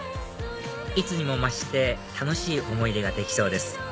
いつにも増して楽しい思い出ができそうです